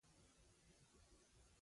بزګر د ټولنې رښتینی خادم دی